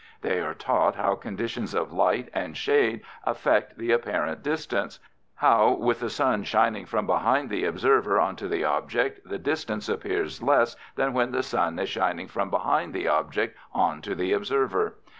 They are taught how conditions of light and shade affect the apparent distance; how, with the sun shining from behind the observer on to the object, the distance appears less than when the sun is shining from behind the object on to the observer.